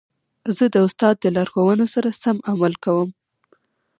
زه د استاد د لارښوونو سره سم عمل کوم.